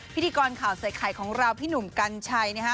พิธีกรข่าวใส่ไข่ของเราพี่หนุ่มกัญชัยนะฮะ